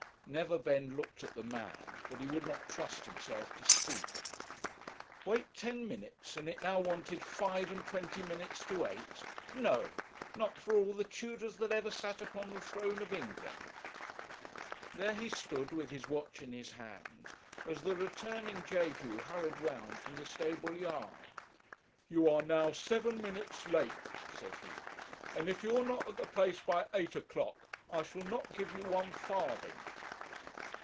Neverbend looked at the man, but he would not trust himself to speak. Wait ten minutes, and it now wanted five and twenty minutes to eight! no not for all the Tudors that ever sat upon the throne of England. There he stood with his watch in his hand as the returning Jehu hurried round from the stable yard. 'You are now seven minutes late,' said he, 'and if you are not at the place by eight o'clock, I shall not give you one farthing!'